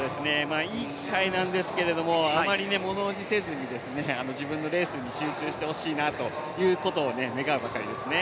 いい機会なんですけれどもあまりものおじせず自分のレースに集中してほしいことを願うばかりですね。